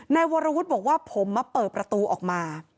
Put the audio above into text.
นายวรวุฒิบอกว่าผมมาเปิดประตูออกมา